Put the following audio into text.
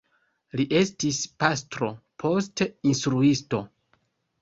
Li estis pastro, poste instruisto.